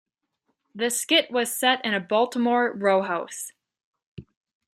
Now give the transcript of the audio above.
The skit was set in a Baltimore row house.